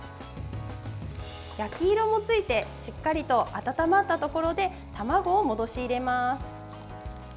焼き色もついてしっかりと温まったところで卵を戻し入れます。